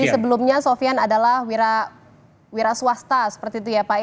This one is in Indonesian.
jadi sebelumnya sofian adalah wira swasta seperti itu ya pak